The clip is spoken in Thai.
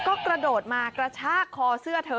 ก็กระโดดมากระชากคอเสื้อเธอ